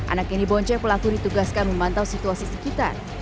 anak ini bonceng pelaku ditugaskan memantau situasi sekitar